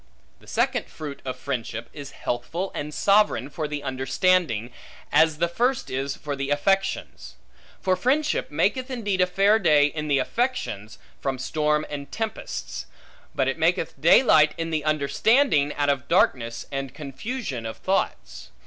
The second fruit of friendship, is healthful and sovereign for the understanding, as the first is for the affections. For friendship maketh indeed a fair day in the affections, from storm and tempests; but it maketh daylight in the understanding, out of darkness, and confusion of thoughts.